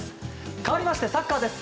かわりましてサッカーです。